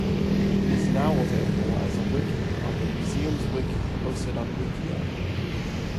It is now available as a wiki on the "MuseumsWiki", hosted on Wikia.